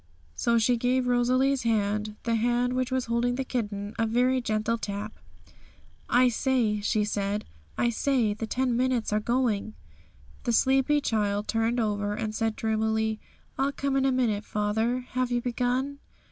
So she gave Rosalie's hand, the hand which was holding the kitten, a very gentle tap. 'I say,' she said 'I say, the ten minutes are going!' The sleepy child turned over, and said dreamily, 'I'll come in a minute, father; have you begun?'